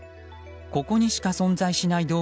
ここにしか存在しない